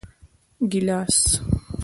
🍒 ګېلاس